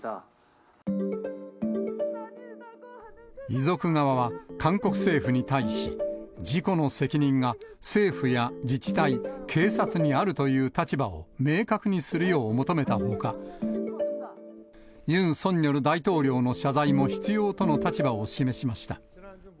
遺族側は、韓国政府に対し、事故の責任が政府や自治体、警察にあるという立場を明確にするよう求めたほか、ユン・ソンニョル大統領の謝罪も必要との立場を示しました。